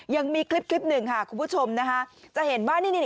ยังมีคลิปนึงคุณผู้ชมนะฮะ